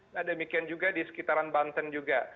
nah demikian juga di sekitaran banten juga